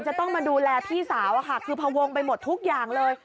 จะต้องมาดูแลพี่สาวอะค่ะคือพวงไปหมดทุกอย่างเลย